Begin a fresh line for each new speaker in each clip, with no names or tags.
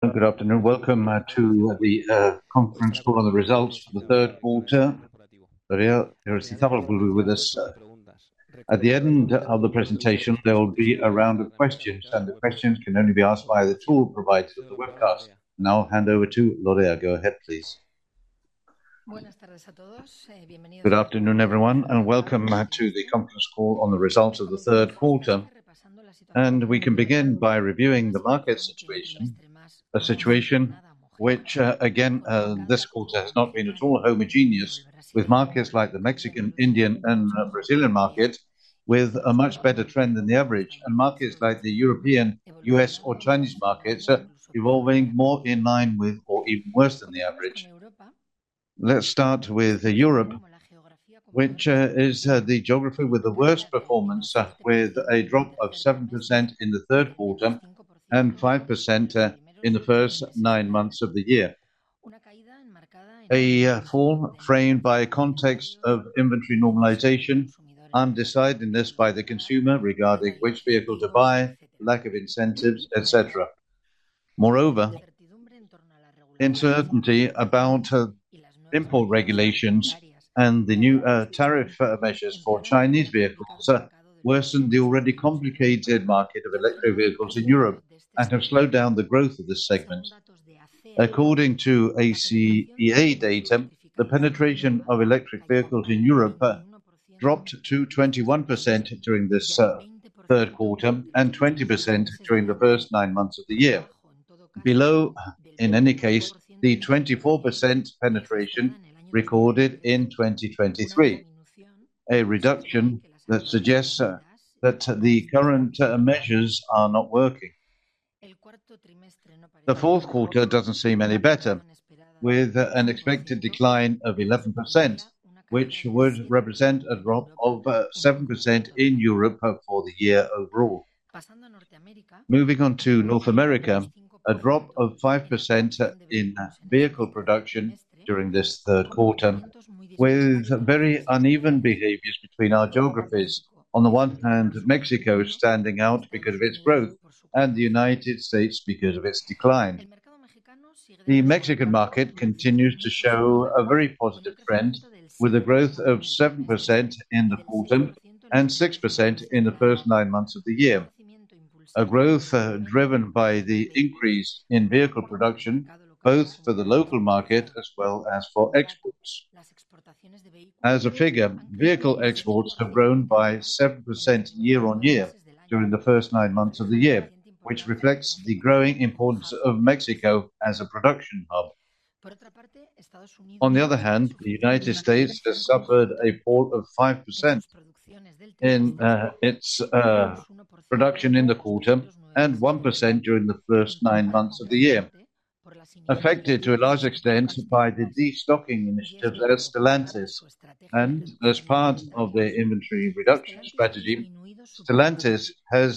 Good afternoon. Welcome to the conference call on the results for the Q3. Lorea Aristizabal will be with us. At the end of the presentation, there will be a round of questions, and the questions can only be asked by the tool provided at the webcast. Now I'll hand over to Lorea. Go ahead, please.
Buenas tardes a todos. Good afternoon, everyone, and welcome to the conference call on the results of the Q3. And we can begin by reviewing the market situation, a situation which, again, this quarter has not been at all homogeneous with markets like the Mexican, Indian, and Brazilian markets, with a much better trend than the average, and markets like the European, U.S., or Chinese markets evolving more in line with or even worse than the average. Let's start with Europe, which is the geography with the worst performance, with a drop of 7% in the Q3 and 5% in the first nine months of the year. A fall framed by a context of inventory normalization, undecidedness by the consumer regarding which vehicle to buy, lack of incentives, etc. Moreover, uncertainty about import regulations and the new tariff measures for Chinese vehicles worsened the already complicated market of electric vehicles in Europe and have slowed down the growth of this segment. According to ACEA data, the penetration of electric vehicles in Europe dropped to 21% during this Q3 and 20% during the first nine months of the year, below, in any case, the 24% penetration recorded in 2023, a reduction that suggests that the current measures are not working. The Q4 doesn't seem any better, with an expected decline of 11%, which would represent a drop of 7% in Europe for the year overall. Moving on to North America, a drop of 5% in vehicle production during this Q3, with very uneven behaviours between our geographies. On the one hand, Mexico is standing out because of its growth, and the United States because of its decline. The Mexican market continues to show a very positive trend, with a growth of 7% in the quarter and 6% in the first nine months of the year, a growth driven by the increase in vehicle production, both for the local market as well as for exports. As a figure, vehicle exports have grown by 7% year-on-year during the first nine months of the year, which reflects the growing importance of Mexico as a production hub. On the other hand, the United States has suffered a fall of 5% in its production in the quarter and 1% during the first nine months of the year, affected to a large extent by the destocking initiatives at Stellantis, and as part of their inventory reduction strategy, Stellantis has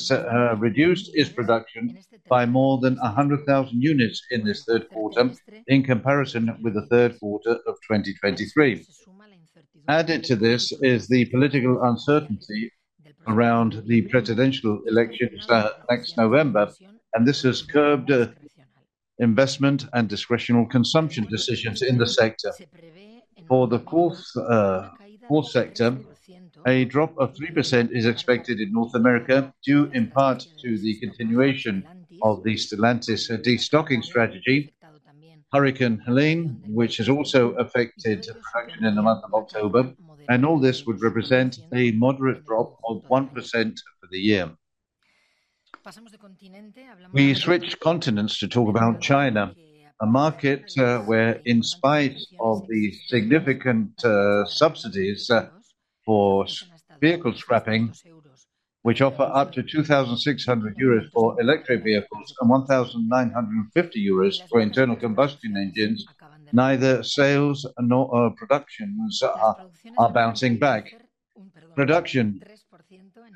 reduced its production by more than 100,000 units in this Q3 in comparison with the Q3 of 2023. Added to this is the political uncertainty around the presidential elections next November, and this has curbed investment and discretionary consumption decisions in the sector. For the Q4, a drop of 3% is expected in North America due in part to the continuation of the Stellantis destocking strategy, Hurricane Helene, which has also affected production in the month of October, and all this would represent a moderate drop of 1% for the year. We switched continents to talk about China, a market where, in spite of the significant subsidies for vehicle scrapping, which offer up to 2,600 euros for electric vehicles and 1,950 euros for internal combustion engines, neither sales nor production are bouncing back. Production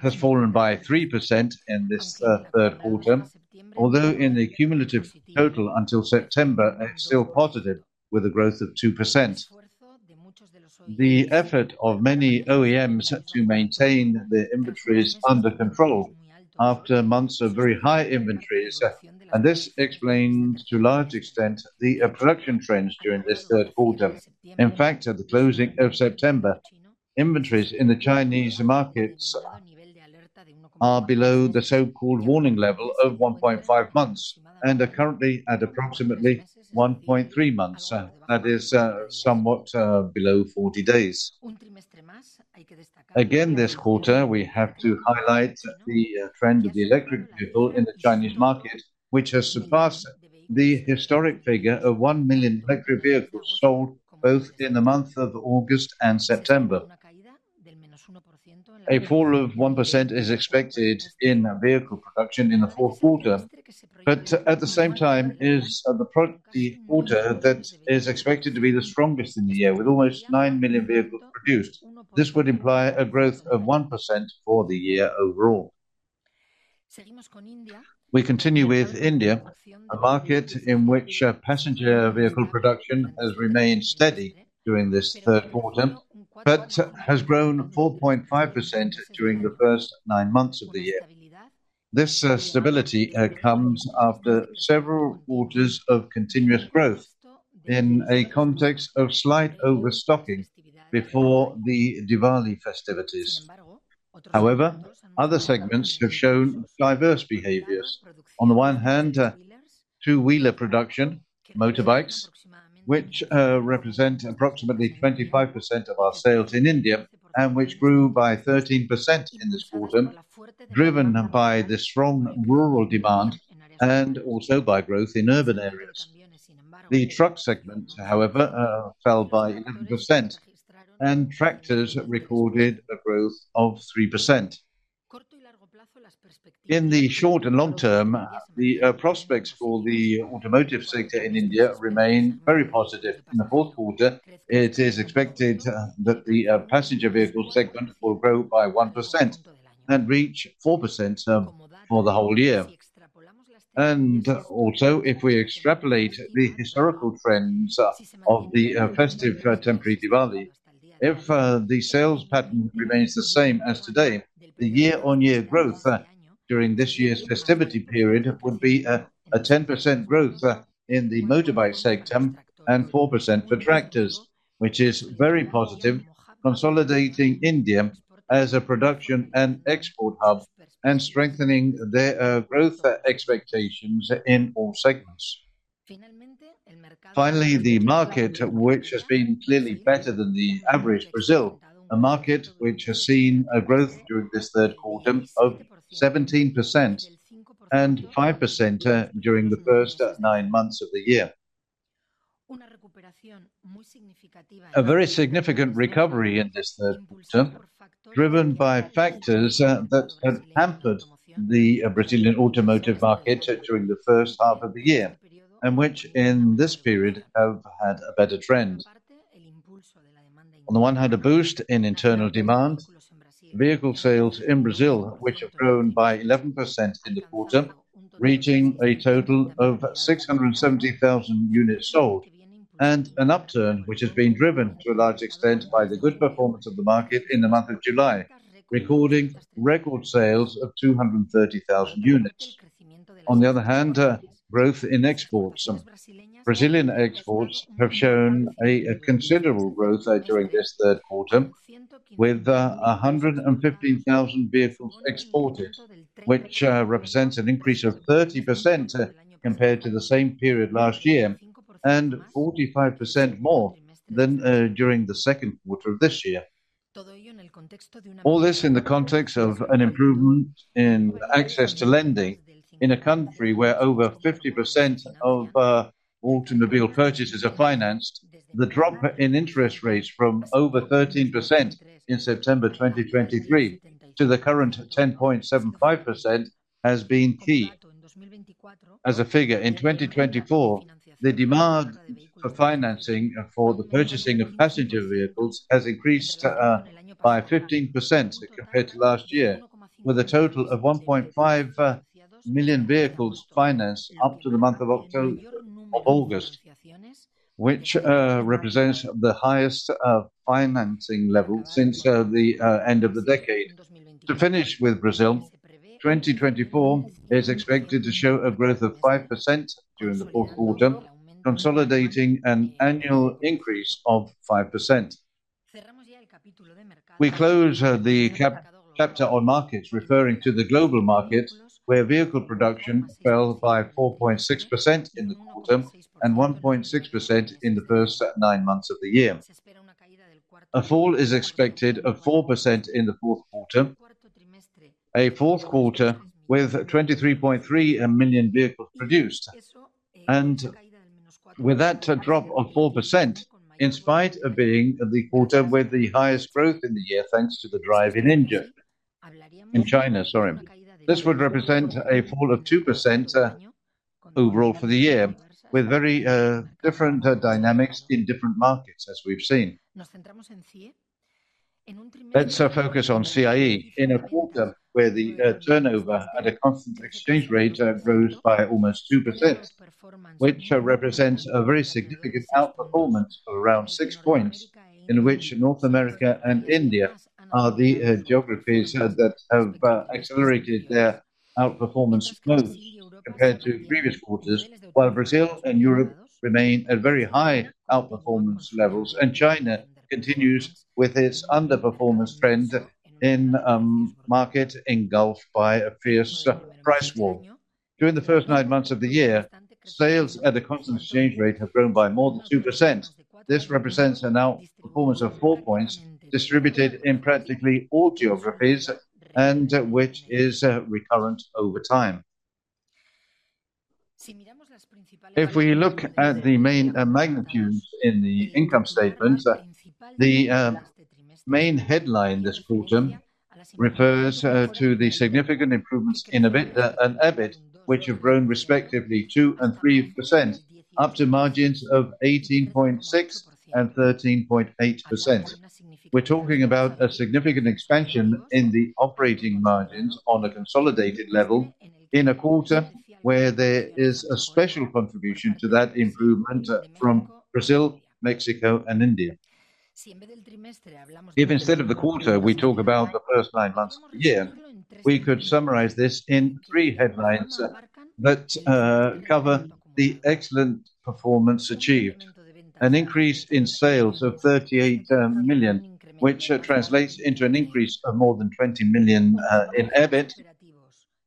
has fallen by 3% in this Q3, although in the cumulative total until September, it's still positive, with a growth of 2%. The effort of many OEMs to maintain their inventories under control after months of very high inventories, and this explains to a large extent the production trends during this Q3. In fact, at the closing of September, inventories in the Chinese markets are below the so-called warning level of 1.5 months and are currently at approximately 1.3 months. That is somewhat below 40 days. Again, this quarter, we have to highlight the trend of the electric vehicle in the Chinese market, which has surpassed the historic figure of 1 million electric vehicles sold both in the month of August and September. A fall of 1% is expected in vehicle production in the Q4, but at the same time, it is the quarter that is expected to be the strongest in the year, with almost 9 million vehicles produced. This would imply a growth of 1% for the year overall. We continue with India, a market in which passenger vehicle production has remained steady during this Q3 but has grown 4.5% during the first nine months of the year. This stability comes after several quarters of continuous growth in a context of slight overstocking before the Diwali festivities. However, other segments have shown diverse behaviours. On the one hand, two-wheeler production, motorbikes, which represent approximately 25% of our sales in India and which grew by 13% in this quarter, driven by the strong rural demand and also by growth in urban areas. The truck segment, however, fell by 11%, and tractors recorded a growth of 3%. In the short and long term, the prospects for the automotive sector in India remain very positive. In the Q4, it is expected that the passenger vehicle segment will grow by 1% and reach 4% for the whole year, and also, if we extrapolate the historical trends of the festive temporary Diwali, if the sales pattern remains the same as today, the year-on-year growth during this year's festivity period would be a 10% growth in the motorbike sector and 4% for tractors, which is very positive, consolidating India as a production and export hub and strengthening their growth expectations in all segments. Finally, the market, which has been clearly better than the average, Brazil, a market which has seen a growth during this Q3 of 17% and 5% during the first nine months of the year. A very significant recovery in this Q3, driven by factors that have hampered the Brazilian automotive market during the first half of the year and which in this period have had a better trend. On the one hand, a boost in internal demand, vehicle sales in Brazil, which have grown by 11% in the quarter, reaching a total of 670,000 units sold, and an upturn which has been driven to a large extent by the good performance of the market in the month of July, recording record sales of 230,000 units. On the other hand, growth in exports. Brazilian exports have shown a considerable growth during this Q3, with 115,000 vehicles exported, which represents an increase of 30% compared to the same period last year and 45% more than during the Q2 of this year. All this in the context of an improvement in access to lending in a country where over 50% of automobile purchases are financed. The drop in interest rates from over 13% in September 2023 to the current 10.75% has been key. As a figure, in 2024, the demand for financing for the purchasing of passenger vehicles has increased by 15% compared to last year, with a total of 1.5 million vehicles financed up to the month of August, which represents the highest financing level since the end of the decade. To finish with Brazil, 2024 is expected to show a growth of 5% during the Q4, consolidating an annual increase of 5%. We close the chapter on markets, referring to the global markets, where vehicle production fell by 4.6% in the quarter and 1.6% in the first nine months of the year. A fall is expected of 4% in the Q4, a Q4 with 23.3 million vehicles produced, and with that drop of 4%, in spite of being the quarter with the highest growth in the year thanks to the drive in India. In China, this would represent a fall of 2% overall for the year, with very different dynamics in different markets, as we've seen. Let's focus on CIE in a quarter where the turnover at a constant exchange rate grows by almost 2%, which represents a very significant outperformance of around 6 points, in which North America and India are the geographies that have accelerated their outperformance growth compared to previous quarters, while Brazil and Europe remain at very high outperformance levels, and China continues with its underperformance trend in a market engulfed by a fierce price war. During the first nine months of the year, sales at a constant exchange rate have grown by more than 2%. This represents an outperformance of 4 points distributed in practically all geographies, and which is recurrent over time. If we look at the main magnitudes in the income statement, the main headline this quarter refers to the significant improvements in EBITDA and EBIT, which have grown respectively 2% and 3%, up to margins of 18.6% and 13.8%. We're talking about a significant expansion in the operating margins on a consolidated level in a quarter where there is a special contribution to that improvement from Brazil, Mexico, and India. If instead of the quarter, we talk about the first nine months of the year, we could summarize this in three headlines that cover the excellent performance achieved: an increase in sales of 38 million, which translates into an increase of more than 20 million in EBIT,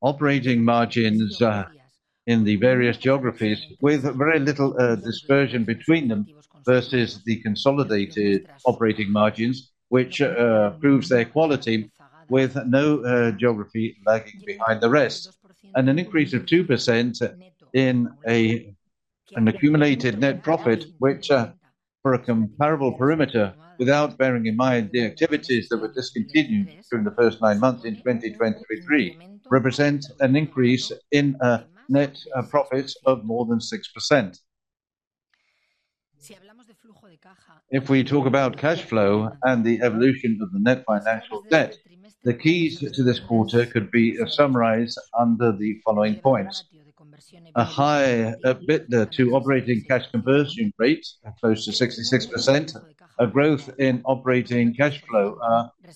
operating margins in the various geographies, with very little dispersion between them versus the consolidated operating margins, which proves their quality with no geography lagging behind the rest, and an increase of 2% in an accumulated net profit, which, for a comparable perimeter, without bearing in mind the activities that were discontinued during the first nine months in 2023, represents an increase in net profits of more than 6%. If we talk about cash flow and the evolution of the net financial debt, the keys to this quarter could be summarized under the following points: a high EBITDA to operating cash conversion rate close to 66%, a growth in operating cash flow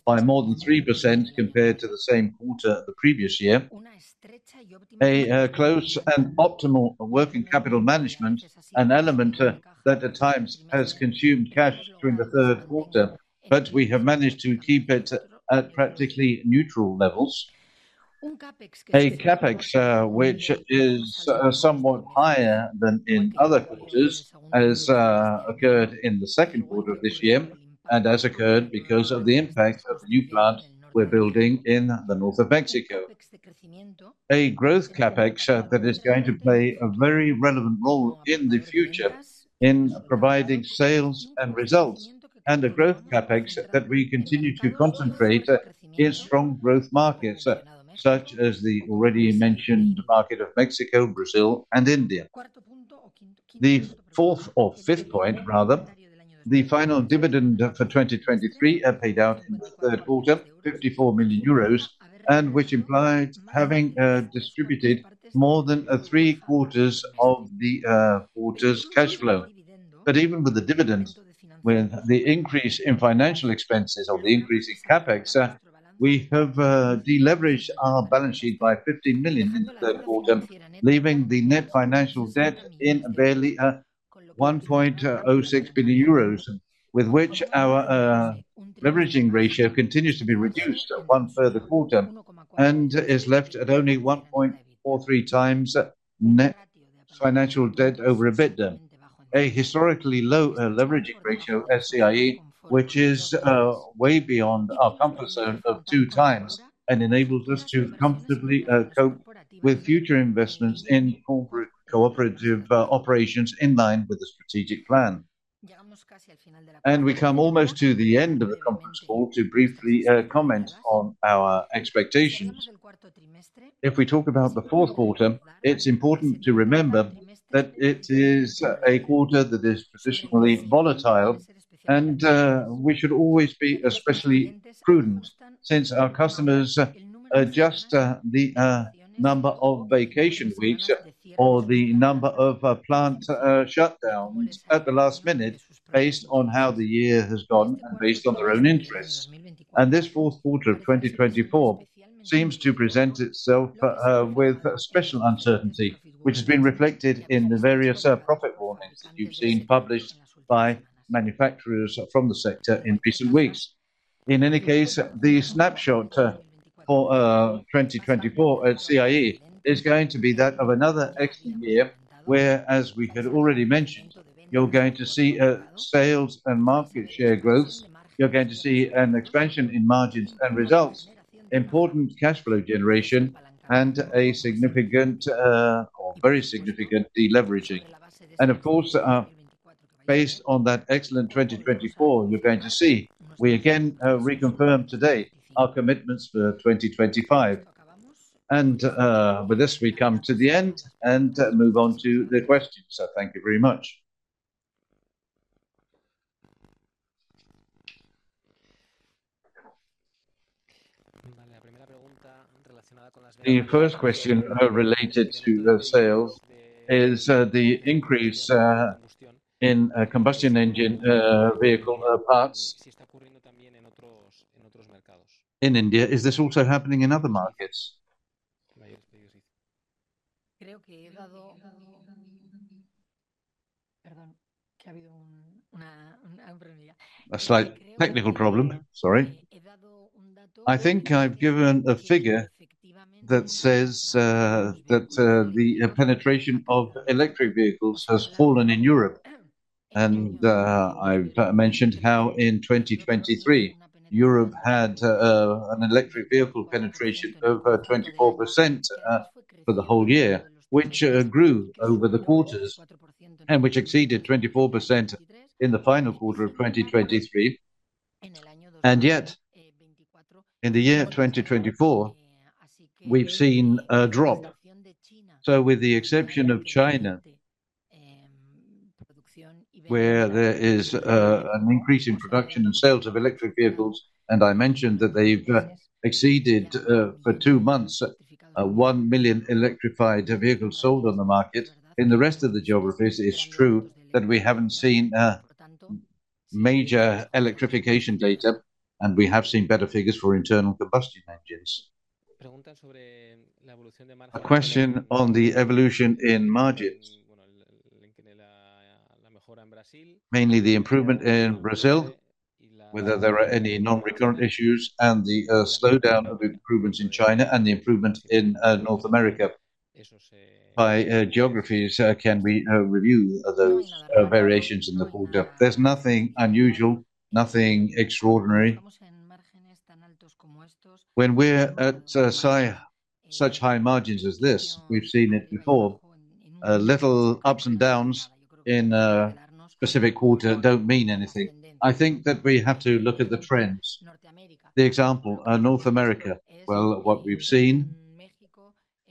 by more than 3% compared to the same quarter the previous year, a close and optimal working capital management, an element that at times has consumed cash during the Q3, but we have managed to keep it at practically neutral levels, a CAPEX which is somewhat higher than in other quarters, as occurred in the Q2 of this year and as occurred because of the impact of the new plant we're building in the north of Mexico, a growth CAPEX that is going to play a very relevant role in the future in providing sales and results, and a growth CAPEX that we continue to concentrate in strong growth markets such as the already mentioned market of Mexico, Brazil, and India. The fourth or fifth point, rather, the final dividend for 2023 paid out in the Q3, 54 million euros, and which implied having distributed more than three quarters of the quarter's cash flow, but even with the dividend, with the increase in financial expenses or the increase in CAPEX, we have deleveraged our balance sheet by 15 million in the Q3, leaving the net financial debt in barely 1.06 billion euros, with which our leveraging ratio continues to be reduced one further quarter and is left at only 1.43 times net financial debt over EBITDA, a historically low leveraging ratio at CIE, which is way beyond our comfort zone of two times and enables us to comfortably cope with future investments in cooperative operations in line with the strategic plan, and we come almost to the end of the conference call to briefly comment on our expectations. If we talk about the Q4, it's important to remember that it is a quarter that is positionally volatile, and we should always be especially prudent since our customers adjust the number of vacation weeks or the number of plant shutdowns at the last minute based on how the year has gone and based on their own interests. And this Q4 of 2024 seems to present itself with special uncertainty, which has been reflected in the various profit warnings that you've seen published by manufacturers from the sector in recent weeks. In any case, the snapshot for 2024 at CIE is going to be that of another excellent year where, as we had already mentioned, you're going to see sales and market share growth, you're going to see an expansion in margins and results, important cash flow generation, and a significant or very significant deleveraging. Of course, based on that excellent 2024, you're going to see we again reconfirm today our commitments for 2025. With this, we come to the end and move on to the questions. Thank you very much. The first question related to sales is the increase in combustion engine vehicle parts. In India, is this also happening in other markets? I think I've given a figure that says that the penetration of electric vehicles has fallen in Europe. I've mentioned how in 2023, Europe had an electric vehicle penetration of 24% for the whole year, which grew over the quarters and which exceeded 24% in the final quarter of 2023. Yet, in the year 2024, we've seen a drop. With the exception of China, where there is an increase in production and sales of electric vehicles, and I mentioned that they've exceeded for two months 1 million electrified vehicles sold on the market. In the rest of the geographies, it's true that we haven't seen major electrification data, and we have seen better figures for internal combustion engines. A question on the evolution in margins, mainly the improvement in Brazil, whether there are any non-recurrent issues, and the slowdown of improvements in China and the improvement in North America. By geographies, can we review those variations in the quarter? There's nothing unusual, nothing extraordinary. When we're at such high margins as this, we've seen it before. Little ups and downs in a specific quarter don't mean anything. I think that we have to look at the trends. The example, North America, well, what we've seen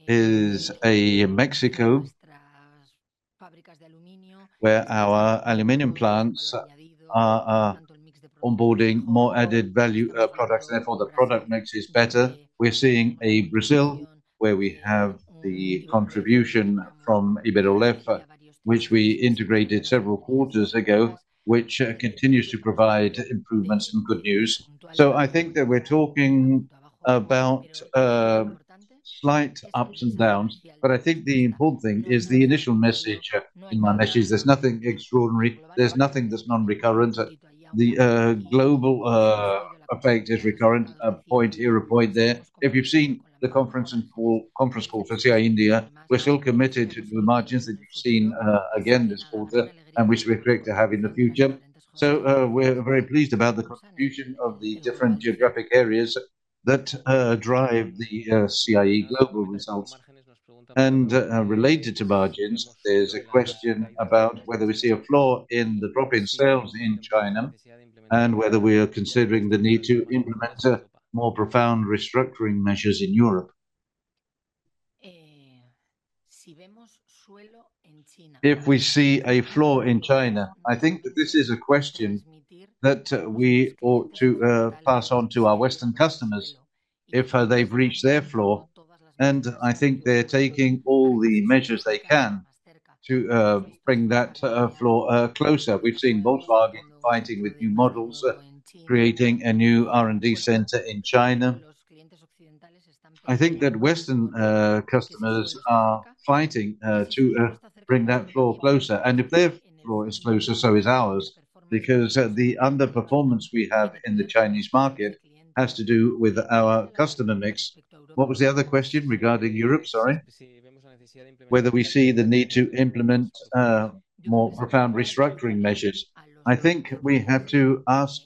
is a Mexico where our aluminium plants are onboarding more added value products, and therefore the product mix is better. We're seeing a Brazil where we have the contribution from Iber-Oleff, which we integrated several quarters ago, which continues to provide improvements and good news. So I think that we're talking about slight ups and downs, but I think the important thing is the initial message in my message. There's nothing extraordinary. There's nothing that's non-recurrent. The global effect is recurrent, a point here, a point there. If you've seen the conference call for CIE India, we're still committed to the margins that you've seen again this quarter, and we should be expecting to have in the future. So we're very pleased about the contribution of the different geographic areas that drive the CIE global results. Related to margins, there's a question about whether we see a floor in the drop in sales in China and whether we are considering the need to implement more profound restructuring measures in Europe. If we see a floor in China, I think that this is a question that we ought to pass on to our Western customers if they've reached their floor, and I think they're taking all the measures they can to bring that floor closer. We've seen Volkswagen fighting with new models, creating a new R&D center in China. I think that Western customers are fighting to bring that floor closer. And if their floor is closer, so is ours, because the underperformance we have in the Chinese market has to do with our customer mix. What was the other question regarding Europe? Sorry. Whether we see the need to implement more profound restructuring measures. I think we have to ask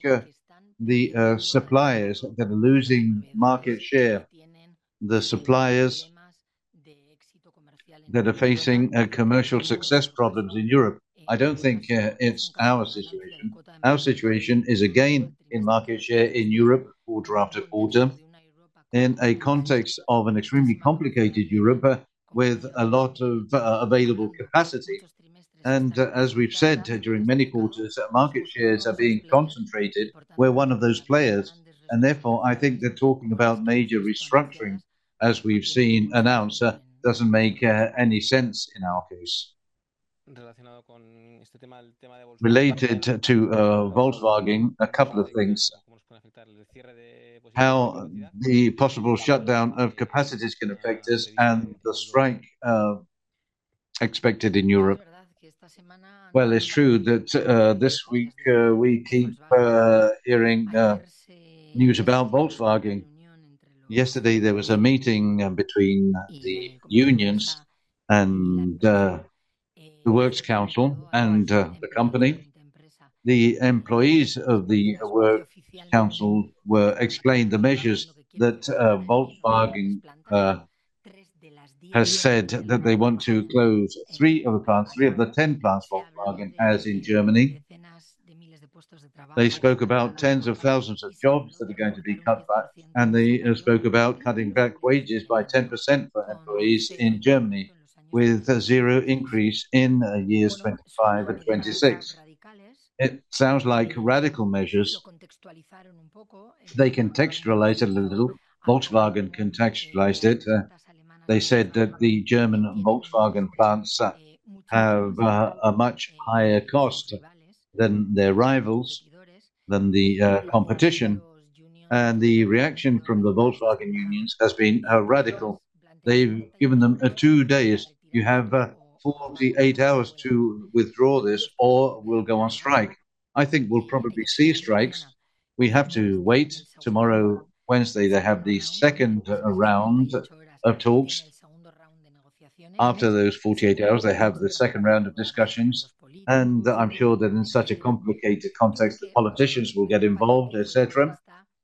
the suppliers that are losing market share, the suppliers that are facing commercial success problems in Europe. I don't think it's our situation. Our situation is a gain in market share in Europe quarter after quarter in a context of an extremely complicated Europe with a lot of available capacity. And as we've said during many quarters, market shares are being concentrated. We're one of those players, and therefore, I think that talking about major restructuring, as we've seen announced, doesn't make any sense in our case. Related to Volkswagen, a couple of things. How the possible shutdown of capacities can affect us and the strike expected in Europe. Well, it's true that this week we keep hearing news about Volkswagen. Yesterday, there was a meeting between the unions and the Works Council and the company. The employees of the Works Council were explained the measures that Volkswagen has said that they want to close three of the plants, three of the ten plants Volkswagen has in Germany. They spoke about tens of thousands of jobs that are going to be cut back, and they spoke about cutting back wages by 10% for employees in Germany with zero increase in years 2025 and 2026. It sounds like radical measures. They contextualized it a little. Volkswagen contextualized it. They said that the German Volkswagen plants have a much higher cost than their rivals, than the competition. The reaction from the Volkswagen unions has been radical. They've given them two days. You have 48 hours to withdraw this or we'll go on strike. I think we'll probably see strikes. We have to wait. Tomorrow, Wednesday, they have the second round of talks. After those 48 hours, they have the second round of discussions, and I'm sure that in such a complicated context, the politicians will get involved, etc.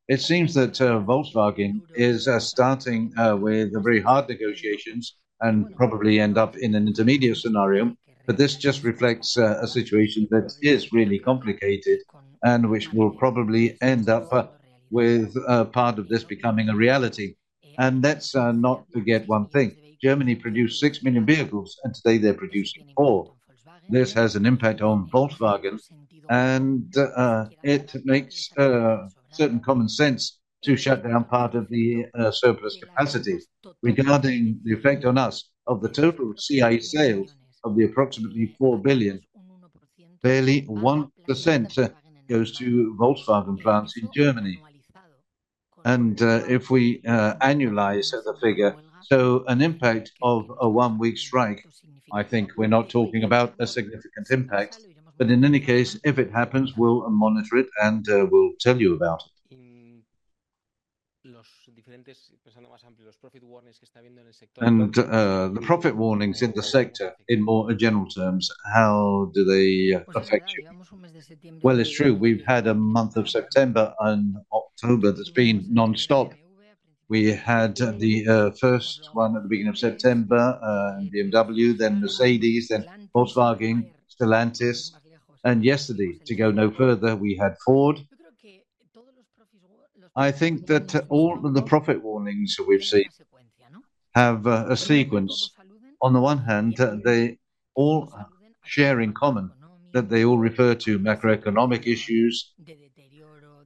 It seems that Volkswagen is starting with very hard negotiations and probably end up in an intermediate scenario, but this just reflects a situation that is really complicated and which will probably end up with part of this becoming a reality. Let's not forget one thing. Germany produced six million vehicles, and today they're producing more. This has an impact on Volkswagen, and it makes certain common sense to shut down part of the surplus capacity. Regarding the effect on us of the total CIE sales of approximately 4 billion, barely 1% goes to Volkswagen plants in Germany, and if we annualize the figure, so an impact of a one-week strike, I think we're not talking about a significant impact. But in any case, if it happens, we'll monitor it and we'll tell you about it. And the profit warnings in the sector in more general terms, how do they affect you? Well, it's true. We've had a month of September and October that's been non-stop. We had the first one at the beginning of September, BMW, then Mercedes, then Volkswagen, Stellantis. And yesterday, to go no further, we had Ford. I think that all of the profit warnings we've seen have a sequence. On the one hand, they all share in common that they all refer to macroeconomic issues,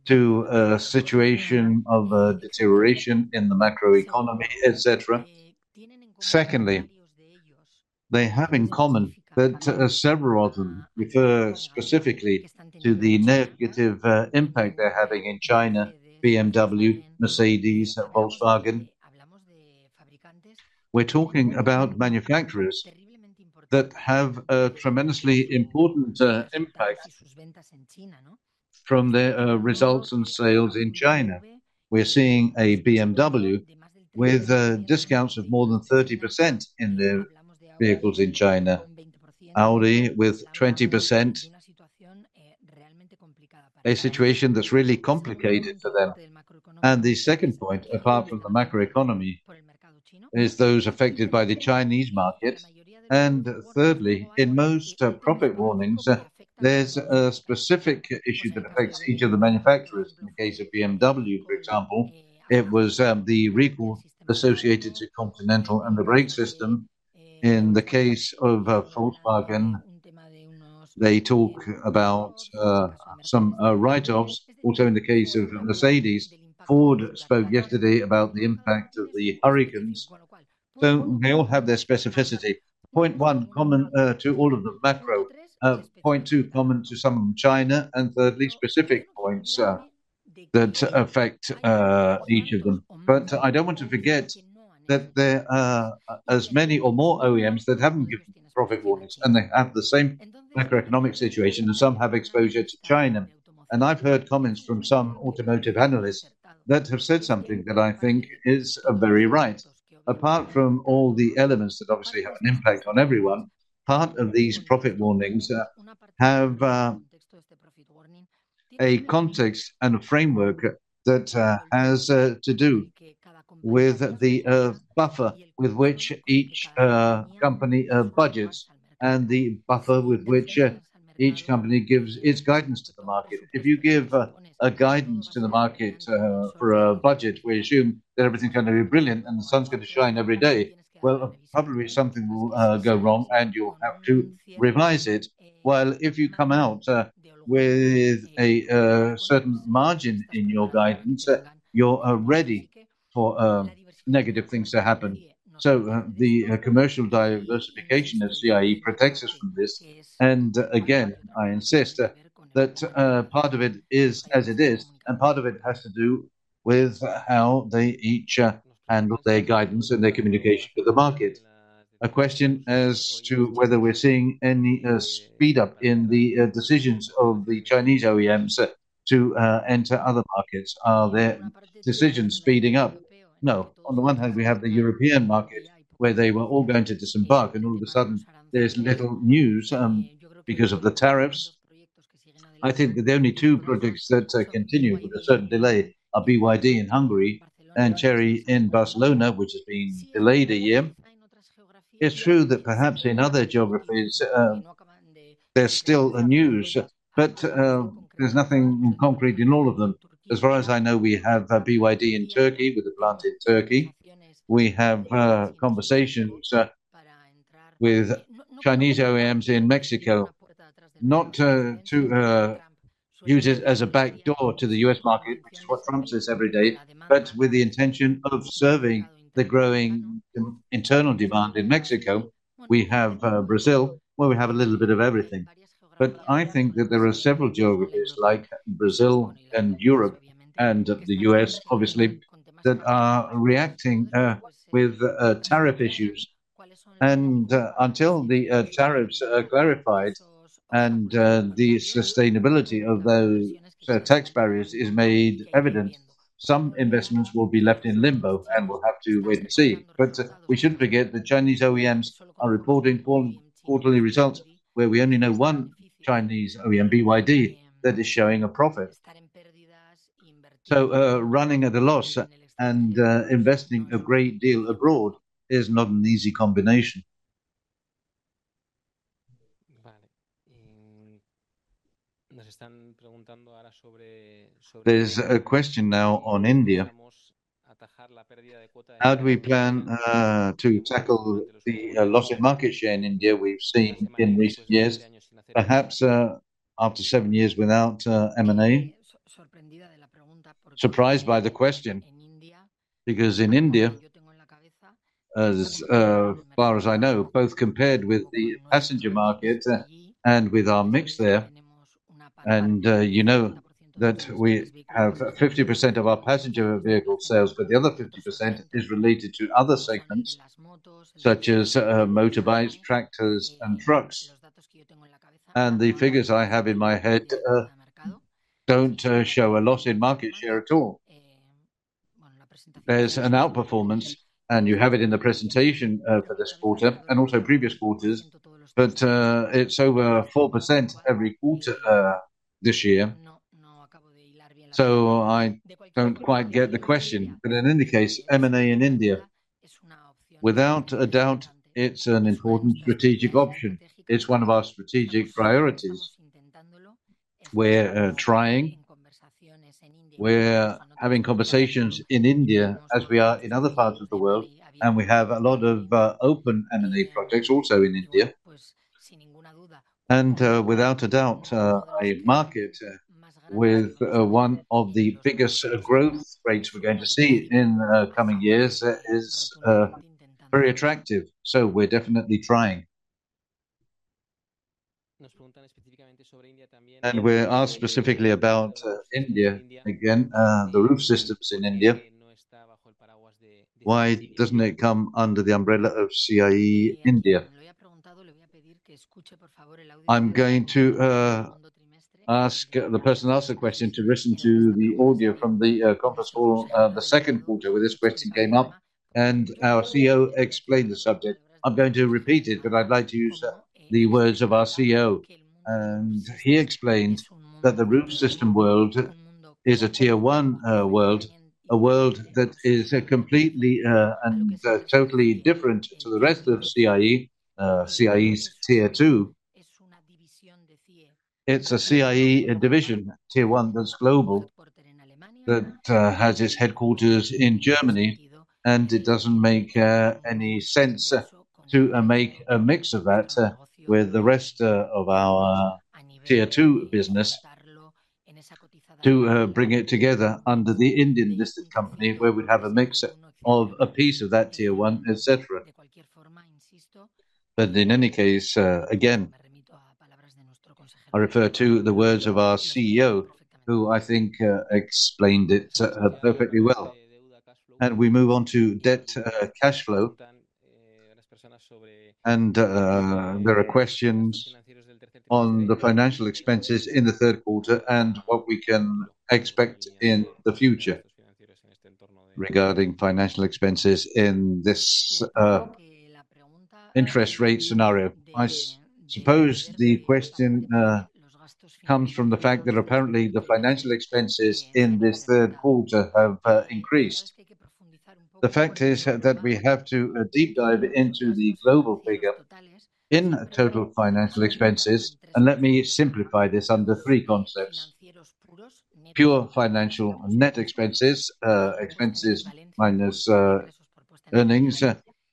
to a situation of deterioration in the macroeconomy, etc. Secondly, they have in common that several of them refer specifically to the negative impact they're having in China, BMW, Mercedes, Volkswagen. We're talking about manufacturers that have a tremendously important impact from their results and sales in China. We're seeing a BMW with discounts of more than 30% in their vehicles in China, Audi with 20%, a situation that's really complicated for them. And the second point, apart from the macroeconomy, is those affected by the Chinese market. And thirdly, in most profit warnings, there's a specific issue that affects each of the manufacturers. In the case of BMW, for example, it was the recall associated to Continental and the brake system. In the case of Volkswagen, they talk about some write-offs. Also, in the case of Mercedes, Ford spoke yesterday about the impact of the hurricanes. So they all have their specificity. Point one common to all of the macro, point two common to some of China, and thirdly, specific points that affect each of them. But I don't want to forget that there are as many or more OEMs that haven't given profit warnings, and they have the same macroeconomic situation, and some have exposure to China. And I've heard comments from some automotive analysts that have said something that I think is very right. Apart from all the elements that obviously have an impact on everyone, part of these profit warnings have a context and a framework that has to do with the buffer with which each company budgets and the buffer with which each company gives its guidance to the market. If you give a guidance to the market for a budget, we assume that everything's going to be brilliant and the sun's going to shine every day. Well, probably something will go wrong and you'll have to revise it. If you come out with a certain margin in your guidance, you're ready for negative things to happen. So the commercial diversification of CIE protects us from this. And again, I insist that part of it is as it is, and part of it has to do with how they each handle their guidance and their communication with the market. A question as to whether we're seeing any speed up in the decisions of the Chinese OEMs to enter other markets. Are their decisions speeding up? No. On the one hand, we have the European market where they were all going to disembark, and all of a sudden, there's little news because of the tariffs. I think that the only two projects that continue with a certain delay are BYD in Hungary and Chery in Barcelona, which has been delayed a year. It's true that perhaps in other geographies, there's still a news, but there's nothing concrete in all of them. As far as I know, we have BYD in Turkey with a plant in Turkey. We have conversations with Chinese OEMs in Mexico, not to use it as a backdoor to the U.S. market, which is what Trump says every day, but with the intention of serving the growing internal demand in Mexico. We have Brazil, where we have a little bit of everything, but I think that there are several geographies like Brazil and Europe and the U.S., obviously, that are reacting with tariff issues, and until the tariffs are clarified and the sustainability of those tax barriers is made evident, some investments will be left in limbo and we'll have to wait and see. But we shouldn't forget that Chinese OEMs are reporting quarterly results where we only know one Chinese OEM, BYD, that is showing a profit. So running at a loss and investing a great deal abroad is not an easy combination. There's a question now on India. How do we plan to tackle the loss of market share in India we've seen in recent years? Perhaps after seven years without M&A? Surprised by the question, because in India, as far as I know, both compared with the passenger market and with our mix there, and you know that we have 50% of our passenger vehicle sales, but the other 50% is related to other segments such as motorbikes, tractors, and trucks. And the figures I have in my head don't show a loss in market share at all. There's an outperformance, and you have it in the presentation for this quarter and also previous quarters, but it's over 4% every quarter this year. So I don't quite get the question. But in any case, M&A in India, without a doubt, it's an important strategic option. It's one of our strategic priorities. We're having conversations in India as we are in other parts of the world, and we have a lot of open M&A projects also in India. And without a doubt, a market with one of the biggest growth rates we're going to see in coming years is very attractive. So we're definitely trying. And we asked specifically about India, again, the roof systems in India. Why doesn't it come under the umbrella of CIE India? I'm going to ask the person who asked the question to listen to the audio from the conference call the Q2 where this question came up, and our CEO explained the subject. I'm going to repeat it, but I'd like to use the words of our CEO. And he explained that the roof system world is a Tier 1 world, a world that is completely and totally different to the rest of CIE, CIE's Tier 2. It's a CIE division, Tier 1, that's global, that has its headquarters in Germany, and it doesn't make any sense to make a mix of that with the rest of our Tier 2 business to bring it together under the Indian listed company where we'd have a mix of a piece of that Tier 1, etc. But in any case, again, I refer to the words of our CEO, who I think explained it perfectly well. And we move on to debt cash flow. And there are questions on the financial expenses in the Q3 and what we can expect in the future regarding financial expenses in this interest rate scenario. I suppose the question comes from the fact that apparently the financial expenses in this Q3 have increased. The fact is that we have to deep dive into the global figure in total financial expenses, and let me simplify this under three concepts: pure financial net expenses, expenses minus earnings,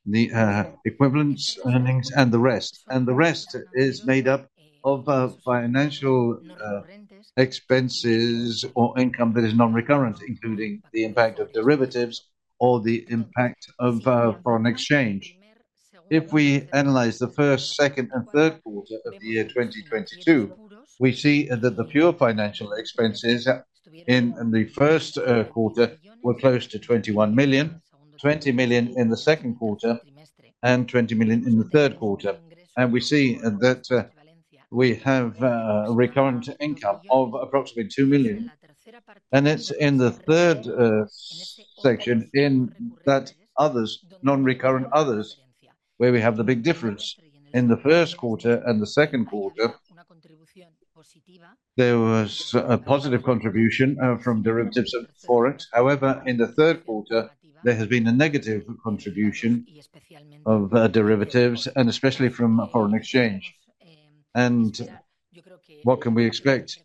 the equivalence earnings, and the rest. And the rest is made up of financial expenses or income that is non-recurrent, including the impact of derivatives or the impact of foreign exchange. If we analyze the first, second, and Q3 of the year 2022, we see that the pure financial expenses in the Q1 were close to 21 million, 20 million in the Q2, and 20 million in the Q3, and we see that we have recurrent income of approximately 2 million, and it's in the third section in that others, non-recurrent others, where we have the big difference in the Q1 and the Q2. There was a positive contribution from derivatives and FX. However, in the Q3, there has been a negative contribution of derivatives, and especially from foreign exchange, and what can we expect?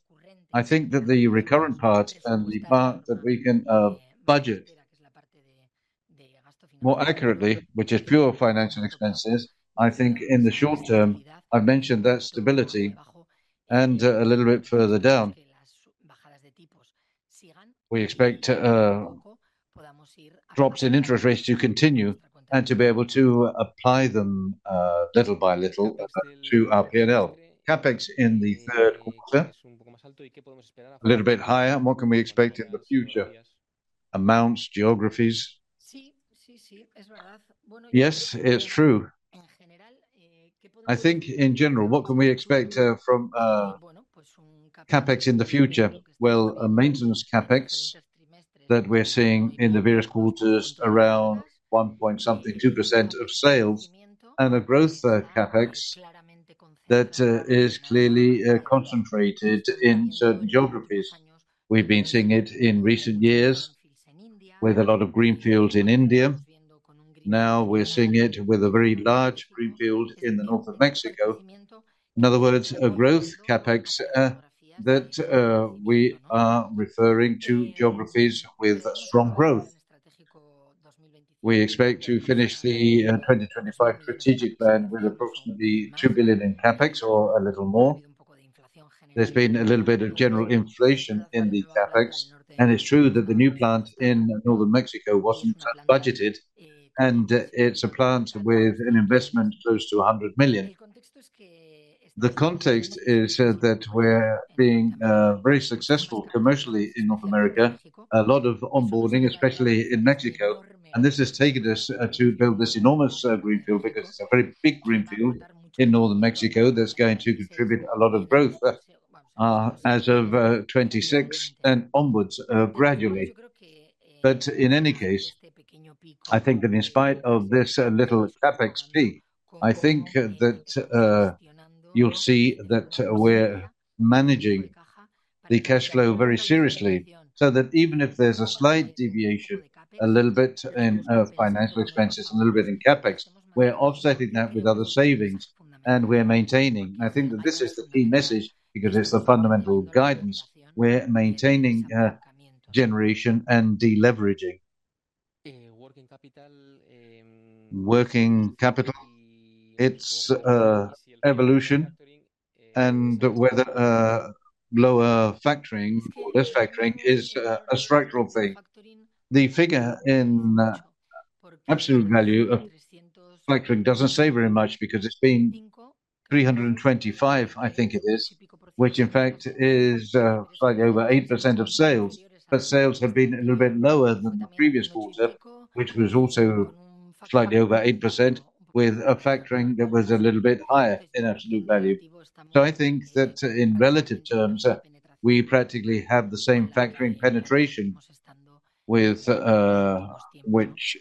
I think that the recurrent part and the part that we can budget more accurately, which is pure financial expenses. I think in the short term, I've mentioned that stability and a little bit further down, drops in interest rates to continue and to be able to apply them little by little to our P&L. CapEx in the Q3, a little bit higher. What can we expect in the future? Amounts, geographies? Yes, it's true. I think in general, what can we expect from CapEx in the future well, maintenance CapEx that we're seeing in the various quarters around 1.2% of sales and a growth CapEx that is clearly concentrated in certain geographies. We've been seeing it in recent years with a lot of greenfields in India. Now we're seeing it with a very large greenfield in the north of Mexico. In other words, a growth CapEx that we are referring to geographies with strong growth. We expect to finish the 2025 strategic plan with approximately 2 billion in CapEx or a little more. There's been a little bit of general inflation in the CapEx, and it's true that the new plant in northern Mexico wasn't budgeted, and it's a plant with an investment close to 100 million. The context is that we're being very successful commercially in North America, a lot of onboarding, especially in Mexico, and this has taken us to build this enormous greenfield because it's a very big greenfield in northern Mexico that's going to contribute a lot of growth as of 2026 and onwards gradually. But in any case, I think that in spite of this little CapEx peak, I think that you'll see that we're managing the cash flow very seriously so that even if there's a slight deviation, a little bit in financial expenses, a little bit in CapEx, we're offsetting that with other savings and we're maintaining. I think that this is the key message because it's the fundamental guidance. We're maintaining generation and deleveraging. Working capital, its evolution, and whether lower factoring or less factoring is a structural thing. The figure in absolute value of factoring doesn't say very much because it's been 325, I think it is, which in fact is slightly over 8% of sales, but sales have been a little bit lower than the previous quarter, which was also slightly over 8% with a factoring that was a little bit higher in absolute value. I think that in relative terms, we practically have the same factoring penetration with which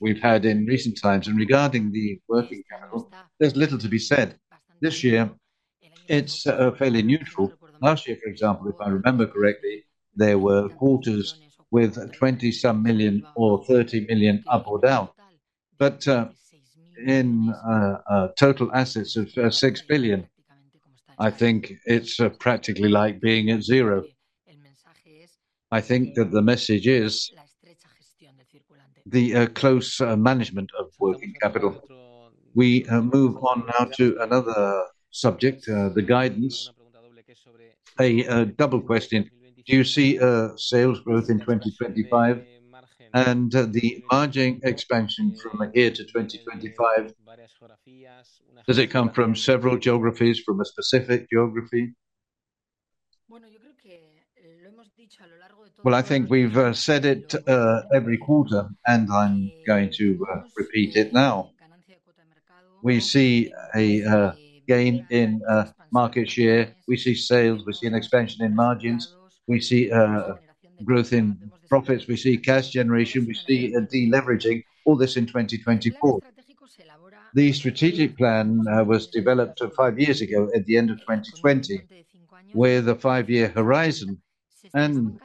we've had in recent times. And regarding the working capital, there's little to be said. This year, it's fairly neutral. Last year, for example, if I remember correctly, there were quarters with 20-some million or 30 million up or down. But in total assets of 6 billion, I think it's practically like being at zero. I think that the message is the close management of working capital. We move on now to another subject, the guidance. A double question. Do you see sales growth in 2025 and the margin expansion from here to 2025? Does it come from several geographies, from a specific geography? Well, I think we've said it every quarter, and I'm going to repeat it now. We see a gain in market share. We see sales. We see an expansion in margins. We see growth in profits. We see cash generation. We see deleveraging. All this in 2024. The strategic plan was developed five years ago at the end of 2020 with a five-year horizon, and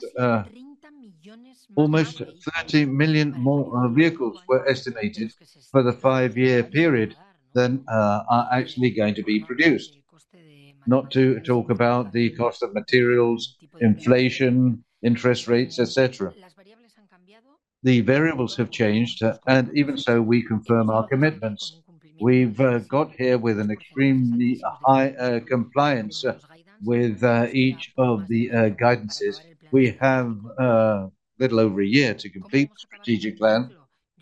almost 30 million more vehicles were estimated for the five-year period than are actually going to be produced. Not to talk about the cost of materials, inflation, interest rates, etc. The variables have changed, and even so, we confirm our commitments. We've got here with an extremely high compliance with each of the guidances. We have a little over a year to complete the strategic plan.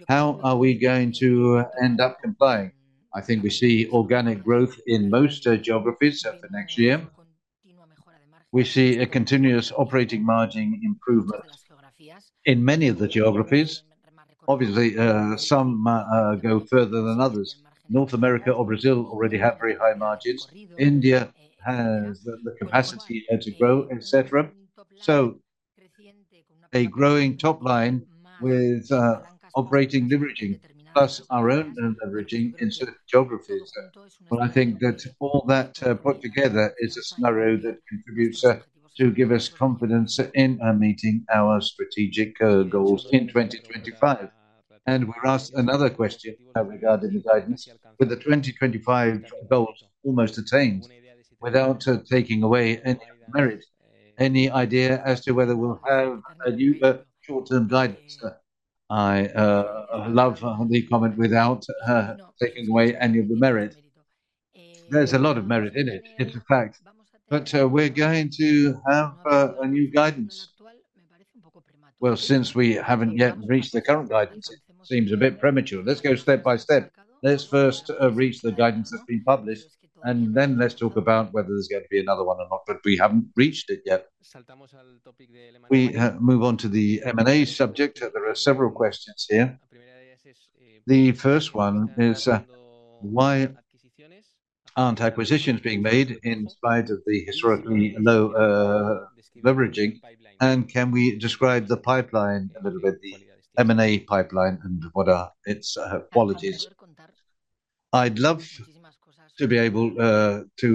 How are we going to end up complying? I think we see organic growth in most geographies for next year. We see a continuous operating margin improvement in many of the geographies. Obviously, some go further than others. North America or Brazil already have very high margins. India has the capacity to grow, etc. So a growing top line with operating leveraging plus our own leveraging in certain geographies. Well, I think that all that put together is a scenario that contributes to give us confidence in meeting our strategic goals in 2025. And we're asked another question regarding the guidance: With the 2025 goals almost attained, without taking away any of the merit, any idea as to whether we'll have a new short-term guidance? I love the comment without taking away any of the merit. There's a lot of merit in it, in fact. But we're going to have a new guidance. Well, since we haven't yet reached the current guidance, it seems a bit premature. Let's go step by step. Let's first reach the guidance that's been published, and then let's talk about whether there's going to be another one or not, but we haven't reached it yet. We move on to the M&A subject. There are several questions here. The first one is why aren't acquisitions being made in spite of the historically low leveraging? And can we describe the pipeline a little bit, the M&A pipeline, and what are its qualities? I'd love to be able to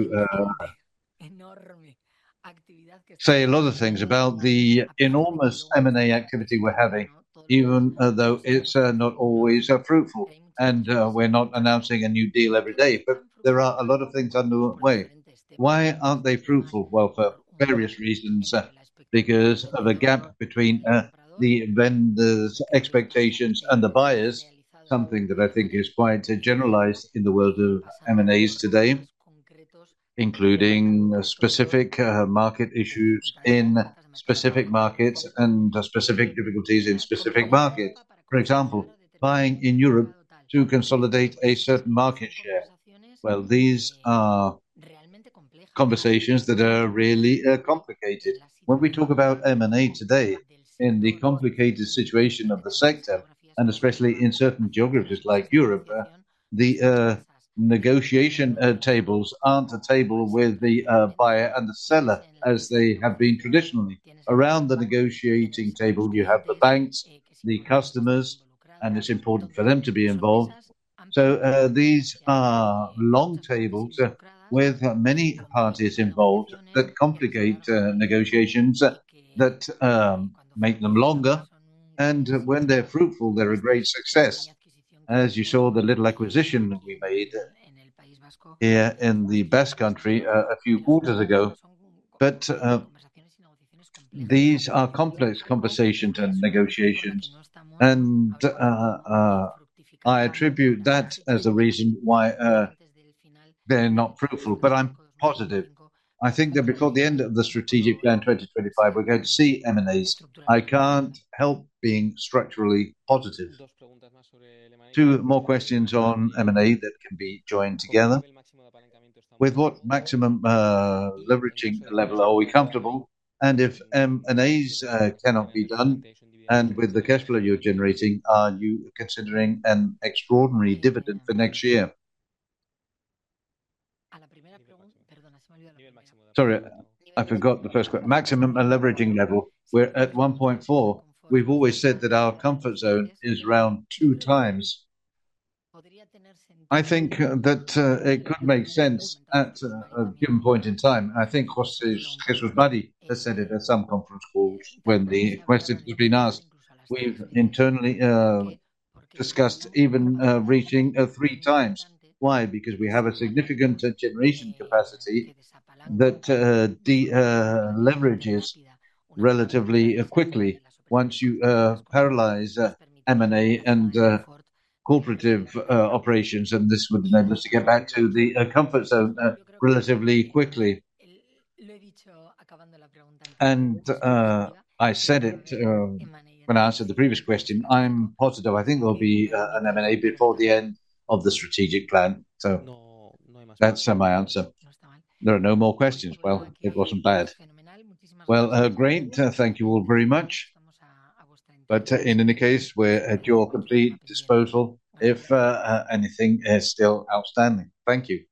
say a lot of things about the enormous M&A activity we're having, even though it's not always fruitful, and we're not announcing a new deal every day, but there are a lot of things underway. Why aren't they fruitful? Well, for various reasons. Because of a gap between the vendors' expectations and the buyers, something that I think is quite generalized in the world of M&As today, including specific market issues in specific markets and specific difficulties in specific markets. For example, buying in Europe to consolidate a certain market share. These are conversations that are really complicated. When we talk about M&A today, in the complicated situation of the sector, and especially in certain geographies like Europe, the negotiation tables aren't a table with the buyer and the seller as they have been traditionally. Around the negotiating table, you have the banks, the customers, and it's important for them to be involved. So these are long tables with many parties involved that complicate negotiations, that make them longer, and when they're fruitful, they're a great success. As you saw, the little acquisition we made here in the Basque Country a few quarters ago. But these are complex conversations and negotiations, and I attribute that as the reason why they're not fruitful, but I'm positive. I think that before the end of the strategic plan 2025, we're going to see M&As. I can't help being structurally positive. Two more questions on M&A that can be joined together. With what maximum leveraging level are we comfortable? And if M&As cannot be done, and with the cash flow you're generating, are you considering an extraordinary dividend for next year? Sorry, I forgot the first question. Maximum leveraging level, we're at 1.4. We've always said that our comfort zone is around two times. I think that it could make sense at a given point in time. I think Jesús María Herrera has said it at some conference calls when the question has been asked. We've internally discussed even reaching three times. Why? Because we have a significant generation capacity that leverages relatively quickly. Once you parallelize M&A and corporate operations, this would enable us to get back to the comfort zone relatively quickly. And I said it when I answered the previous question. I'm positive I think there'll be an M&A before the end of the strategic plan. So that's my answer. There are no more questions. It wasn't bad. Great. Thank you all very much. But in any case, we're at your complete disposal if anything is still outstanding. Thank you.